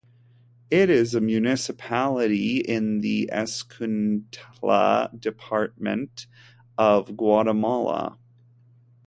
It is a municipality in the Escuintla department of Guatemala.